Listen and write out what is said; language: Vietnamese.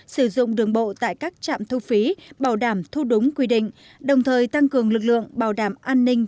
sử dụng đường bộ tại các trạm thu phí bảo đảm thu đúng quy định đồng thời tăng cường lực lượng bảo đảm an ninh